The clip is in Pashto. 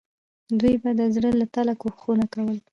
دوی به د زړه له تله کوښښونه کول.